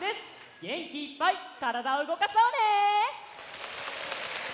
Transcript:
げんきいっぱいからだをうごかそうね！